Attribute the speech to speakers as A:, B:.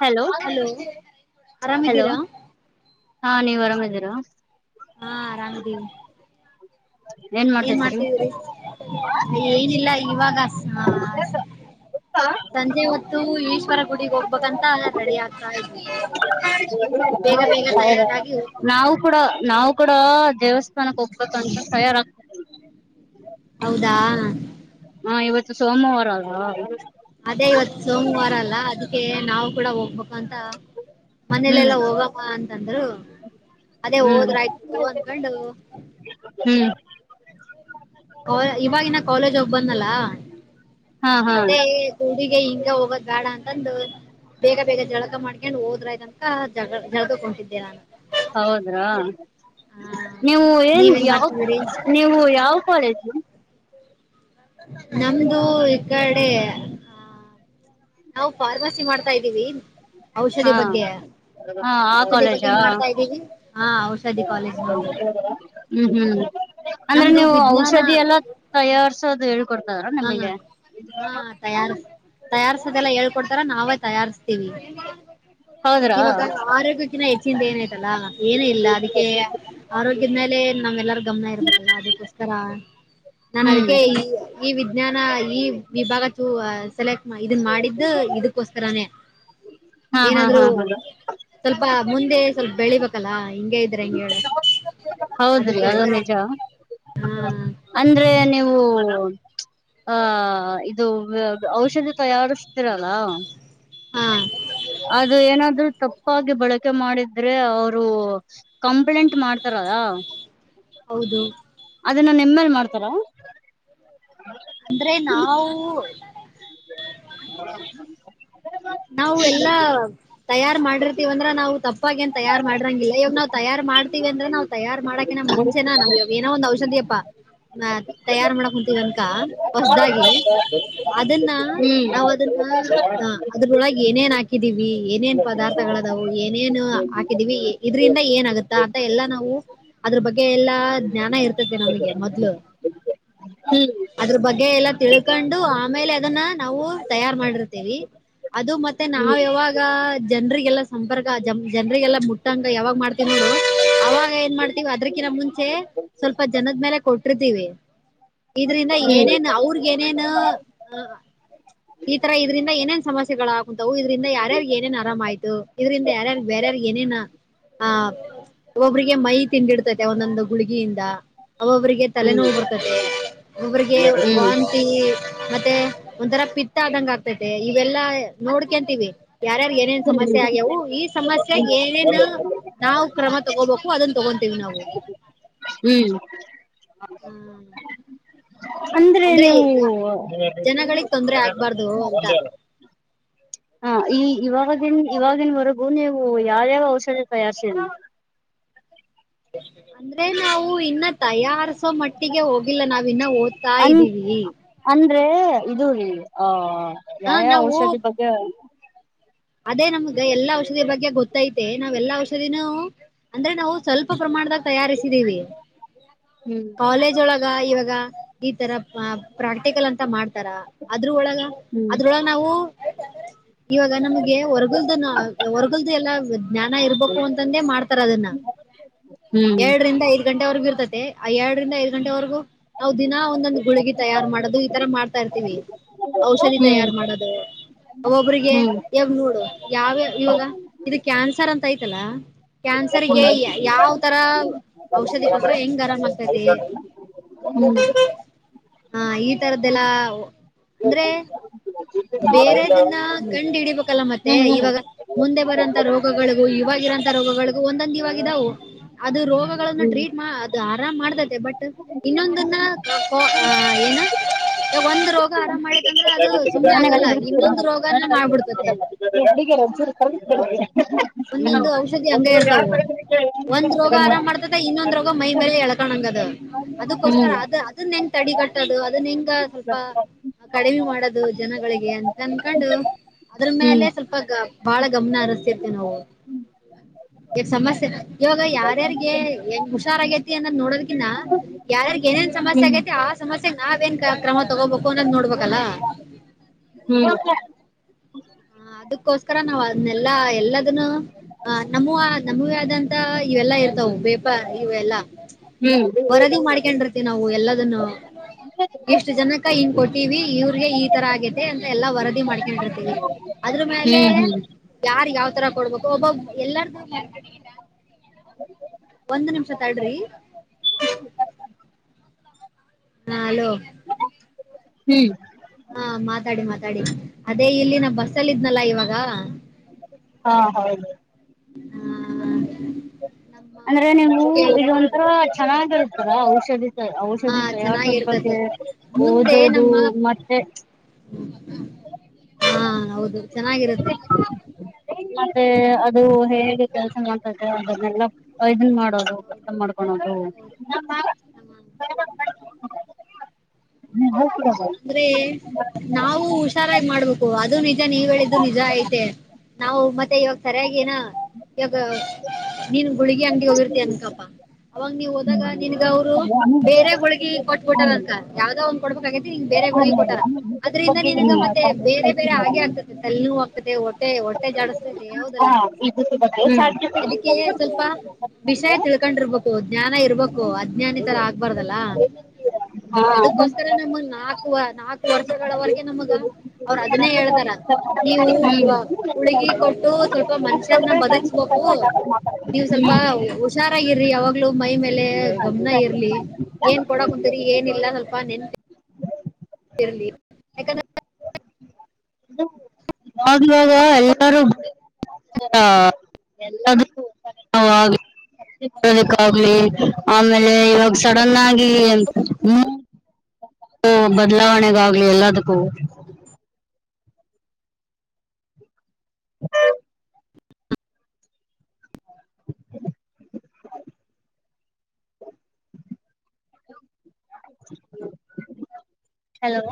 A: Hello hello
B: ಆರಾಮಿದ್ದೀರಾ
A: ಹಾ ನೀವ್ ಆರಾಮಿದಿರ.
B: ಹಾ ಆರಾಮಿದಿವಿ. ಏನ್ ಮಾಡ್ತೀದಿರಿ ಏನಿಲ್ಲ ಇವಾಗ ಸಂಜೆ ಹೊತ್ತು ಈಶ್ವರ ಗುಡಿಗೆ ಹೋಗ್ಬೇಕಂತ ರೆಡಿ ಆಗ್ತಾ ಇದ್ವಿ. ಬೇಗ ಬೇಗ
A: ಹೌದ.
B: ತಯಾರಾಗಿ ಹೋಗ್ಬೇಕಂತ
A: ನಾವು ಕೂಡ ನಾವು ಕೂಡ ದೇವಸ್ಥಾನಕ್ಕೆ ಹೋಗ್ಬೇಕಂತ ತಯಾರಾಗ್ತದಿವಿ.
B: ಹೌದಾ.
A: ಹಾ ಇವತ್ತು ಸೋಮವಾರ ಅಲ್ವಾ.
B: ಅದೇ ಇವತ್ ಸೋಮವಾರ ಅಲ್ಲಾ ಅದಿಕ್ಕೆ ನಾವು ಕೂಡ ಹೋಗ್ಬೇಕು ಅಂತ.
A: ಹ್ಮ್
B: ಮನೇಲೆೆಲ್ಲಾ ಹೋಗಮ ಅಂತಂದ್ರು. ಅದೇ
A: ಹ್ಮ್
B: ಹೋದ್ರಯ್ತು ಬಿಡು ಅನ್ಕಂಡು.
A: ಹ್ಮ್
B: ಇವಾಗಿನ ಕಾಲೇಜ್ ಹೋಗ್ಬಂದ್ನಲ್ಲ.
A: ಹಾ ಹಾ.
B: ಗುಡಿಗೆ ಹಿಂಗೆ ಹೋಗದ್ ಬೇಡ ಅಂತಂದು. ಬೇಗ ಬೇಗ ಜಳಕ ಮಾಡ್ಕೆಂಡ್ ಹೋದ್ರಾಯ್ತಂತ ಜಗ ಜಳಕಕ್ ಹೊಂಟಿದೆ ನಾನು.
A: ಹೌದ್ರಾ
B: ಆ
A: ನೀವು ಏನ್
B: ನೀವೇನ್
A: ಯಾವ್
B: ಮಾಡ್ತಿದೀರಿ
A: ನೀವು ಯಾವ್ ಕಾಲೇಜು.
B: ನಮ್ದು ಇಕಡೆ. ನಾವ್ ಫಾರ್ಮಸಿ ಮಾಡ್ತಾ ಇದ್ದೀವಿ ಔಷದಿ
A: ಹಾ
B: ಬಗ್ಗೆ.
A: ಹಾ ಆ
B: ಔಷದಿ ಬಗ್ಗೆ
A: ಕಾಲೇಜಾ
B: ಮಾಡ್ತಾ ಇದ್ದೀವಿ ಹಾ ಔಷದಿ ಕಾಲೇಜ್ ನಮ್ದು.
A: ಹ್ಮ್ ಹ್ಮ್ ಅಂದ್ರೆ
B: ನಮ್ದು
A: ನೀವು
B: ವಿಜ್ಞಾನ
A: ಔಷದಿ ಎಲ್ಲ ತಯಾರ್ಸೋದು ಹೇಳ್ಕೊಡ್ತರ
B: ಹಾ
A: ನಿಮಿಗೆ.
B: ಹಾ ತಯಾರ್ ತಯಾರ್ಸದೆಲ್ಲಾ ಹೇಳ್ಕೊಡ್ತಾರ ನಾವೇ ತಯಾರ್ಸ್ತಿವಿ.
A: ಹೌದ್ರಾ
B: ಇವಾಗ ಆರೋಗ್ಯಕ್ಕಿನ ಹೆಚ್ಚಿಂದ್ ಏನಯ್ತಲ್ಲಾ ಏನ್ ಇಲ್ಲ ಅದಿಕ್ಕೆ. ಆರೋಗ್ಯುದ್ ಮೇಲೆ ನಮ್ಮೆಲ್ಲರ್ ಗಮ್ನ ಇರ್ಬೇಕಲ್ಲ ಅದಿಕ್ಕೋಸ್ಕರ ನಾನ್
A: ಹ್ಮ್
B: ಅದಿಕ್ಕೆ ಈ ಈ ವಿಜ್ಞಾನ ಈ ವಿಭಾಗ ತೂ ಸೆಲೆಕ್ ಮಾ ಇದುನ್ ಮಾಡಿದ್ದು ಇದಕೊಸ್ಕರನೇ.
A: [inaudible] ಹಾ ಹಾ
B: ಏನಾದ್ರು.
A: ಹೌದು
B: ಸ್ವಲ್ಪ ಮುಂದೆ ಸ್ವಲ್ಪ್ ಬೆಳಿಬೇಕಲ್ಲಾ ಹಿಂಗೆ ಇದ್ರೆ ಹೆಂಗೇಳು.
A: ಹೌದ್ರಿ ಅದು ನಿಜ.
B: ಹಾ
A: ಅಂದ್ರೆ ನೀವು. ಹ ಇದು ಔಷದಿ ತಯಾರಿಸ್ತಿರಲ್ಲ.
B: ಹಾ
A: ಅದು ಏನಾದ್ರೂ ತಪ್. ಕಾಫಿ ಬೆಳಗ್ಗೆ ಮಾಡಿದ್ರೆ ಅವರು ಕಂಪ್ಲೇಂಟ್ ಮಾಡ್ತಾರಲಾ.
B: ಹೌದು.
A: ಅದನ್ನ ನಿಮ್ ಮೇಲ್ ಮಾಡ್ತಾರ.
B: [unintelligible] ಅಂದ್ರೆ ನಾವು.
A: [inaudible]
B: ನಾವು ಎಲ್ಲಾ. ತಯಾರ್ ಮಾಡಿರ್ತಿವಂದ್ರ ನಾವು ತಪ್ಪಾಗ ಏನ್ ತಯಾರ್ ಮಾಡ್ರಂಗಿಲ್ಲ ಇವಾಗ ನಾವು ತಯಾರಾರ್ ಮಾಡ್ತಿವಿ ಅಂದ್ರೆ ನಾವು. ತಯಾರಾರ್ ಮಾಡಕೆ ನ ಮುಂಚೆನಾ ನಾವ್ವಾಗ ಏನೋ ಒಂದ್ ಔಷಧಿಯಪ್ಪ. ನಾ ತಯಾರ್ ಮಾಡಕ್ ಕುಂತಿವೆ ಅಂತ ಹೊಸದಾಗಿ ಅದನ್ನ.
A: ಹ್ಮ್
B: ನಾವ್ ಅದನ್ನ. ಅದ್ರೊಳಗೆ ಏನೇನ್ ಹಾಕಿದೀವಿ ಏನೇನ್ ಪದಾರ್ಥಗಳದವು ಏನೇನು ಹಾಕಿದೀವಿ. ಇದರಿಂದ ಏನಾಗುತ್ತಾ ಅಂತ ಎಲ್ಲಾ ನಾವು ಅದ್ರ ಬಗ್ಗೆ ಎಲ್ಲ. ಜ್ಞಾನ ಇರ್ತತಿ ನಮಗೆ ಮೊದ್ಲು.
A: ಹ್ಮ್
B: ಅದ್ರ ಬಗ್ಗೆ ಎಲ್ಲಾ ತಿಳ್ಕೊಂಡು ಆಮೇಲೆ ಅದನ್ನ ನಾವು ತಯಾರ್ ಮಾಡಿರ್ತಿವಿ. ಅದು ಮತ್ತೆ ನಾವ
A: ಹ್ಮ್
B: ಯಾವಾಗ ಜನ್ರಿಗೆಲ್ಲಾ ಸಂಪರ್ಕ ಜ ಜನ್ರಿಗೆಲ್ಲ ಮುಟ್ಟಂಗ ಯಾವಾಗ ಮಾಡ್ತಿವ [unintelligible] ಅವಾಗ ಏನ್ ಮಾಡ್ತೀವಿ ಅದ್ರಕಿ ನ ಮುಂಚೆ ಸ್ವಲ್ಪ ಜನದ್ಮೇಲೆ ಕೊಟ್ಟಿರುತ್ತೇವೀ. ಇದ್ರಿಂದ ಏನೇನ್ ಅವ್ರಗ ಏನೇನ್ ಈ ತರ ಇದ್ರಿಂದ ಏನೇನ್. ಸಮಸ್ಯೆಗಳಾಗಕ ಕುಂಂತವು ಇದ್ರಿಂದ ಯಾರ್ಯಾರು ಏನೇನ್ ಆರಾಮ ಆಾಯ್ತು ಇದ್ರಿಂದ ಯಾರ್ಯಾರ ಬರ್ಯಾರಾರ್ ಏನೇನ. ಹ ಒಬ್ರಿಗೆ ಮೈ ತಿಂದಿಡ್ತೈತೆ ಒಂದೊಂದು ಗುಳಗಿಯಿಂದ ಒಬ್ಬೊಬ್ಬರಿಗೆ.
A: ಹ್ಮ್ ಹ್ಮ್
B: ತಲೆನೋವು ಬರ್ತದೆ ಒಬ್ಬ್ರಿಗೆ
A: ಹ್ಮ್
B: ವಾಂತಿ. ಮತ್ತೆ ಒಂಥರ ಪಿತ್ತ ಆದಂಗ ಆಗ್ತೈತೆ ಇವೆಲ್ಲಾ ನೋಡ್ಕಂತೀವಿ. ಯಾರ್ಯಾರು ಏನೇನ್ ಸಮಸ್ಯೆ ಆಗ್ಯವು ಈ. ಸಮಸ್ಯ ಏನೇನ್ ನಾವು ಕ್ರಮ ತಗೋಬೇಕು ಅದನ್ ತಗೊಂತೀವಿ ನಾವು.
A: ಹ್ಮ್.
B: ಹ್ಮ್ [inaudible]
A: ಅಂದ್ರೆ ನೀವು.
B: ಜನಗಳಿಗೆ ತೊಂದ್ರೆ ಆಗ್ಬಾರ್ದು ಅಂತ
A: [unintelligible] ಹಾ ಈ ಇವಾಗಿನ್ ಇವಾಗಿನ್ವರೆಗೂ ನೀವು ಯಾವ್ಯಾವ ಔಷಧಿ ತಯಾರಿಸಿದ್ದೀರಾ.
B: ಅಂದ್ರೆ ನಾವು ಇನ್ನ ತಯಾರ್ಸೋ ಮಟ್ಟಿಗೆ ಹೋಗಿಲ್ಲ ನಾವ್ ಇನ್ನ ಓದ್. ಓದುತಾ
A: ಅನ್
B: ವಿದಿವಿ.
A: ಅಂದ್ರೆ ಇದು ರ ಆಹ
B: ಹ
A: ಯಾವ್ ಯಾವ್
B: ನಾವು
A: ಔಷಧಿ ಬಗ್ಗೆ.
B: ಅದೇ ನಮ್ಗ ಎಲ್ಲಾ ಔಷಧಿ ಬಗ್ಗೆ ಗೊತ್ತೈತೆ ನಾವ್ ಎಲ್ಲಾ ಔಷಧಿನೂ. ಅಂದ್ರೆ ನಾವು ಸ್ವಲ್ಪ ಪ್ರಮಾಣದಾಗ ತಯಾರಿಸಿದೀವಿ.
A: ಹ್ಮ್
B: ಕಾಲೇಜ್ ಒಳಗ ಇವಾಗ. ಈ ತರ ಪ್ರಾಕ್ಟಿಕಲ್ ಅಂತ ಮಾಡ್ತಾರ ಅದ್ರ ಒಳಗ
A: ಹ್ಮ್
B: ಅದ್ರೊಒಳಗ. ನಾವು ಇವಾಗ. ಗೆ ವರ್ಗಲ್ದನ ಹೊರ್ಗಲ್ದು ಎಲ್ಲಾ ಜ್ಞಾನ ಇರ್ಬೇಕು ಅಂತಂದೆ ಮಾಡ್ತಾರ ಅದನ್ನ.
A: ಹ್ಮ್
B: ಎರಡರಿಂದ ಐದ್ ಗಂಟೆವರೆಗು ಇರ್ತತೆ ಆ ಎರಡರಿಂದ ಐದ್ ಗಂಟೆವರೆಗೂ. ನಾವು ದಿನಾ ಒಂದೊಂದ್ ಗುಳಗಿ ತಯಾರು ಮಾಡೋದು ಈತರ ಮಾಡ್ತಾ ಇರ್ತೀವಿ. ಔಷಧಿ
A: ಹ್ಮ್
B: ತಯಾರು ಮಾಡೋದು ಒಬೊಬ್ರಿಗೆ.
A: ಹ್ಮ್
B: ಯಾವ ನೋಡು ಯಾವ್ಯ ಇವಾಗ ಇದು ಕ್ಯಾನ್ಸರ್ ಅಂತ ಆಐ್ತಲ್ಲ. ಕ್ಯಾನ್ಸರ್ಗೆ ಯಾವ್ ತರ ಔಷಧಿ ಕೊಟ್ರೆ ಹೆಂಗ್ ಆರಾಮ ಆಗತೈತಿ.
A: ಹ್ಮ್ [inaudible]
B: ಹಾ ಈ ತರದ್ದೆಲ್ಲ ಅಂದ್ರೆ. ಬೇರೆದನ್ನ ಕಂಡ್ ಹಿಡಿಬೇಕಲ್ಲ ಮತ್ತೆ
A: ಹ್ಮ್
B: ಇವಾಗ. ಮುಂದೆ ಬರಂತಾ ರೋಗಗಳಿಗೂ ಇವಾಗಿರೋಂತಥ ರೋಗಗಳಿಗು ಒಂದೊಂದ್ ಇವಾಗ ಇದಾವು. ಅದು ರೋಗಗಳನ್ನು
A: ಹ್ಮ್ ಹ್ಮ್
B: ಟ್ರೀಟ್ ಅದು ಆರಾಮ್ ಮಾಡ್ತೈತೆ ಬಟ್. ಇನ್ನೊಂದನ್ನ ಏನ ಒಂದ್ ರೋಗ ಆರಾಮ್ ಮಾಡೇತ್ಂದ್ರೆ ಅದು. ಸುಮ್ನೆ ಆಗಲ್ಲ ಇನ್ನೊಂದು ರೋಗನ ಮಾಡ್ಬಿಡ್ತತೆ.
A: [inaudible] [unintelligible]
B: ಒಂದೊಂದು ಔಷಧಿ ಹಂಗೆ ಇರ್ತವು ಒಂದ್ ರೋಗ ಆರಾಮ್ ಮಾಡ್ತ. ಇನ್ನೊಂದ್ ರೋಗ ಮೈ ಮೇಲೆ ಎಳ್ಕೋಂಗದ ಅದಕ್ಕೋಸ್ಕರ
A: ಹ್ಮ್
B: ಅದ. ಅದನ್ನ ಹೆಂಗ್ ತಡಿ ಕಟ್ಟದು ಅದು ಹೆಂಗ ಸ್ವಲ್ಪ. ಕಡಿಮೆ ಮಾಡದು ಜನಗಳಿಗೆ ಅಂತ ಅನ್ಕೊಂಡು. ಅದ್ರ
A: ಹ್ಮ್ ಹ್ಮ್
B: ಮೇಲೆ ಸ್ವಲ್ಪ ಗ ಬಾಳ ಗಮನ ಹಸ್ತಿರ್ತಿವಿ ನಾವು. ಈಗ ಸಮಸ್ಯೆ ಇವಾಗ ಯಾರ್ಯಾರ್ಗೆ ಹೆಂಗ್ ಹುಷಾರಗೈತಿ ಅನ್ನ ನೋಡೋದಕಿನ್ನ. ಯಾರಾರ್ಗ ಏನೇನ್ ಸಮಸ್ಯೆ
A: ಹ್ಮ್
B: ಆಗೈತಿ ಆ ಸಮಸ್ಯೆಗೆ ನಾವೇಏನ್ ಕ್ರಮ ತಗೋಬೇಕು ಅನ್ನೋದ್ ನೋಡ್ಬೇಕಲ್ಲಾ.
A: ಹ್ಮ್.
B: ಹ ಅದಕ್ಕೋಸ್ಕರ ನಾವ್ ಅದನೆಲ್ಲಾ ಎಲ್ಲದನ್ನು. ಹ ನಮ್ಮೂ ನಮಗೆ ಆದಂತ ಇವೆಲ್ಲಾ ಇರ್ತವು ಬೇಪ ಇವೆಲ್ಲಾ.
A: ಹ್ಮ್
B: ವರದಿ ಮಾಡಿಕೊಂಡಿರುತ್ತೇವೆ ನಾವು ಎಲ್ಲದನ್ನು. ಇಷ್ಟು ಜನಕ ಹಿಂಗ ಕೊಟ್ಟಿವವಿ ಇವ್ರಗೆ ಈ ತರ ಆಗೇತೆ ಅಂತ ಎಲ್ಲಾ ವರದಿ ಮಾಡ್ಕೊಂಡ್ರತಿವಿ. ಅದ್ರ ಮೇಲೆ
A: ಹ್ಮ್ ಹ್ಮ್
B: ಯಾರಿಗೆ ಯಾವ್ ತರ ಕೊಡ್ಬೇಕು ಒಬ್ಬೊಬ್ ಎಲ್ಲಾರ. ಒಂದ್ ನಿಮಿಷ ತಡ್ರಿ. ಹಾ ಹಲೋ.
A: ಹ್ಮ್.
B: ಹಾ ಮಾತಾಡಿ ಮಾತಾಡಿ ಅದೇ ಇಲ್ಲಿ ನಾ ಬಸ್ಸಲ್ಲಿ ಇದ್ನಲ್ಲಾ ಇವಾಗ.
A: ಹಾ ಹೌದು.
B: ಹಾ.
A: ಅಂದ್ರೆ ನೀವು ಇದ ಒಂಥರ ಚೆನ್ನಾಗಿರುತ್ತಲಾ ಔಷಧಿ.
B: ಹಾ
A: ಔಷಧಿ ತಯಾರಿಸೋದ್ ಬಗ್ಗೆ
B: ಚೆನ್ನಾಗಿರ್ತತೆ ಮುಂದೆ
A: ಓದೋದು
B: ನಮ್ಮ
A: ಮತ್ತೆ.
B: ಹಾ ಹೌದು ಚೆನ್ನಾಗಿರುತ್ತೆ.
A: ಮತ್ತೆ ಅದು ಹೇಗೆ ಕೆಲ್ಸ ಮಾಡ್ತದೆ ಅದನ್ನೆಲ್ಲ. ಇದನ್ ಮಾಡೋದು ಬತ್ತ
B: ಹೌದು
A: ಮಾಡ್ಕೊಳೋದು.
B: ಹೌದು
A: [unintelligible]
B: ಅಂದ್ರೆ ನಾವು ಹುಷಾರಾಗಿ ಮಾಡ್ಬೇಕು ಅದು ನಿಜಾನೆ ನೀವ ಹೇಳಿದ್ದು ನಿಜ ಐತೆ. ನಾವು ಮತ್ತೆ ಇವಾಗ ಸರಿಯಾಗಿ ಏನ ಇವಾಗ ನೀನ್ ಗುಳಗಿ ಅಂಗಡಿ ಹೋಗಿರ್ತ ಅನ್ಕಪಾ. ಅವಾಗ ನೀವ ಹೋದಾಗ ನಿನ್ಗ ಅವರು ಬೇರೆ ಗುಳಗೀ ಕೊಟ್ಬಿಟಾರ ಅನ್ಕ ಯಾವ್ದೋ ಒಂದ್ ಕೊಡ್ಬೇಕಾಗಿತ್ತು. ಬೇರೆ ಗುಳಿಗೆ ಕೊಟ್ಟಾರ ಅದ್ರಿಂದ ನಿನಗ ಮತ್ತೆ ಬೇರೆ ಬೇರೆ ಆಗೇ ಆಗ್ತದೆ ತಲೆ. ಹೊಟ್ಟೆ ಹೊಟ್ಟೆ ಜಾಡಸ್ತೈತೆ ಹೌದಲ್ಲಾ ಅದಕ್ಕೆ ಸ್ವಲ್ಪ. ವಿಷಯ ತಿಳ್ಕೊಂಡಿರ್ಬೇಕು ಜ್ಞಾನ ಇರ್ಬೇಕು ಅಜ್ಞಾನಿತರ ಆಗ್ಬಾರ್ದಲ್ಲ.
A: ಹಾ.
B: ನಮಗ ನಾಕ ನಾಕು ವರ್ಷಗಳವರೆಗೆ ನಮಗ ಅವ್ರು ಅದನ್ನೇ ಹೇಳ್. ರ ನೀವು
A: ಹ್ಮ್
B: ಗುಳಗೀ ಕೊಟ್ಟು ಸ್ವಲ್ಪ ಮನುಷ್ಯರನ್ನ ಬದುಕ್ಸ್ಬೇಕು. ನೀವು ಸ್ವಲ್ಪ ಹುಷಾರಾಗಿರ್ರಿ ಯಾವಾಗ್ಲೂ ಮೈ ಮೇಲೆ ಗಮನ ಇರ್ಲಿ. ಏನ್ ಕೊಡ ಕುಂತೀರಿ ಏನಿಲ್ಲ ಸ್ವಲ್ಪ ನೆನ್. ಇರ್ಲಿ ಯಾಕಂದ್ರ.
A: [unintelligible] ದಕ್ಕಾಗ್ಲಿ ಆಮೇಲೆ ಇವಾಗ ಸಡನ್ ಆಗಿ. ಬದಲಾವಣೆಗೆ ಆಗ್ಲಿ ಎಲ್ಲದಕ್ಕೂ. [inaudible] ಹಲೋ.